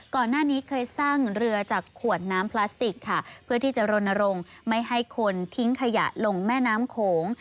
ก่อนหน้านี้เคยสร้างเรือจากขวดน้ำพลาสติกค่ะเพื่อที่จะรณรงค์ไม่ให้คนทิ้งขยะลงแม่น้ำโขง